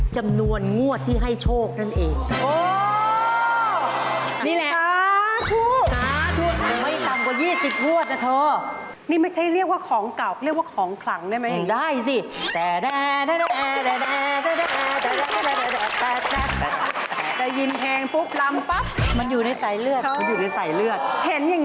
จำนวนงวดที่ให้โชคนั่นเอง